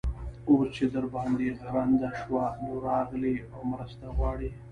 اوس چې در باندې غرنده شوه؛ نو، راغلې او مرسته غواړې.